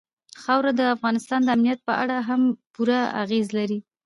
خاوره د افغانستان د امنیت په اړه هم پوره اغېز لري.